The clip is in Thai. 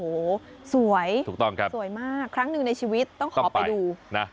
โหสวยสวยมากครั้งหนึ่งในชีวิตต้องขอไปดู